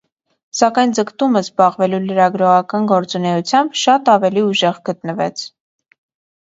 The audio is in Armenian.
Սակայն ձգտումը զբաղվելու լրագրողական գործունեությամբ շատ ավելի ուժեղ գտնվեց։